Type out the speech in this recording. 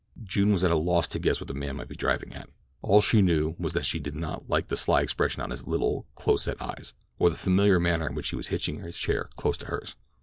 June was at a loss to guess what the man might be driving at. All she knew was that she did not like the sly expression of his little, close set eyes, or the familiar manner in which he was hitching his chair closer to hers.